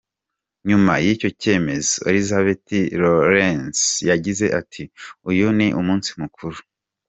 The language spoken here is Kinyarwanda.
Nyuma y’icyo cyemezo Elisabeth Lorentz yagize ati “Uyu ni umunsi mukuru.